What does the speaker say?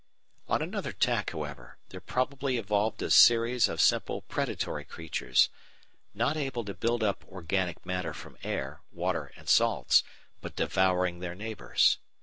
On another tack, however, there probably evolved a series of simple predatory creatures, not able to build up organic matter from air, water, and salts, but devouring their neighbours.